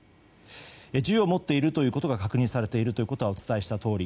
銃を持ってるということが確認されていることはお伝えしたとおり。